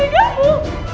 gimana dengan ibu